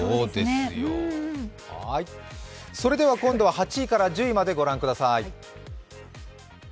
今度は８位から１０位まで御覧ください。